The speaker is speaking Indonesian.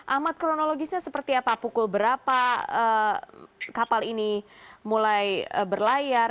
ahmad kronologisnya seperti apa pukul berapa kapal ini mulai berlayar